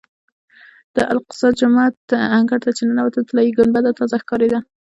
د الاقصی جومات انګړ ته چې ننوتم طلایي ګنبده تازه ښکارېده.